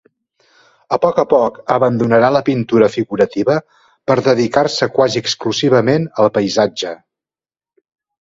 A poc a poc abandonarà la pintura figurativa per dedicar-se quasi exclusivament al paisatge.